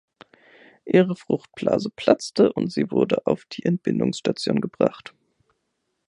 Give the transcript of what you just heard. Ihre Fruchtblase platzte und sie wurde auf die Entbindungsstation gebracht.